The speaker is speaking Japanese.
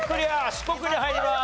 四国に入ります。